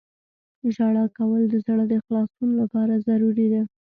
• ژړا کول د زړه د خلاصون لپاره ضروري ده.